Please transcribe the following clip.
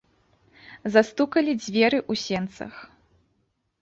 Застукалі дзверы ў сенцах.